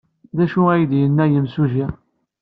D acu ay d-yenna yemsujji?